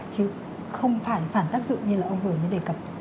chứ không phải phản tác dụng như là không vừa mới đề cập